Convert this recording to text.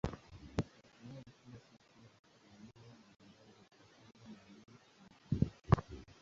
Matoleo ya kila siku ya maeneo mbalimbali hupatikana Berlin na Hamburg.